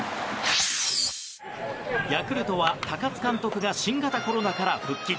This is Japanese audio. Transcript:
ヤクルトは高津監督が新型コロナから復帰。